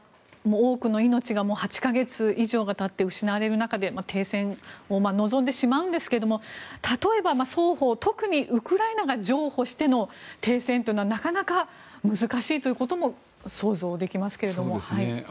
多くの命が８か月以上経って失われる中停戦を望んでしまうんですけども例えば双方、特にウクライナが譲歩しての停戦というのはなかなか難しいということも想像できますけれども。